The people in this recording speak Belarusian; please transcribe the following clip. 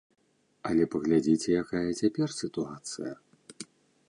Але паглядзіце, якая цяпер сітуацыя.